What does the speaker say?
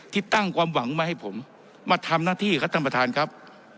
ที่ตั้งความหวังมาให้ผมมาทำหน้าที่ครับท่านประธานครับ